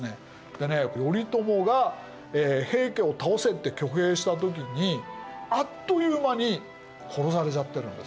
でね頼朝が平家を倒せって挙兵した時にあっという間に殺されちゃってるんです。